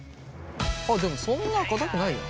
あっでもそんなかたくないや。